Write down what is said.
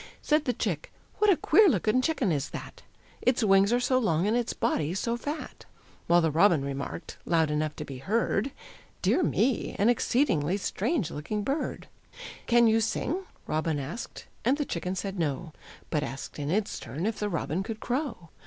Said the chick, "What a queer looking chicken is that! Its wings are so long and its body so fat!" While the robin remarked, loud enough to be heard: "Dear me! an exceedingly strange looking bird!" "Can you sing?" robin asked, and the chicken said "No;" But asked in its turn if the robin could crow.